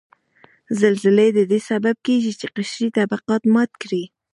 زلزلې ددې سبب کیږي چې قشري طبقات مات کړي